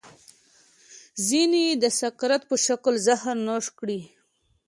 ځینو یې د سقراط په شکل زهر نوش کړي.